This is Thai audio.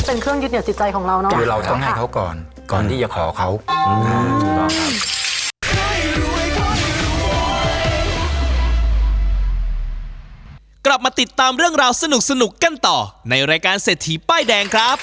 เป็นเครื่องยืดเหนือสิทธิ์ใจของเรานะครับ